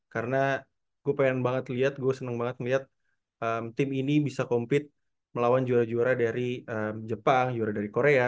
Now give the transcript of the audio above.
karena gue pengen banget liat gue seneng banget ngeliat tim ini bisa compete melawan juara juara dari jepang juara dari korea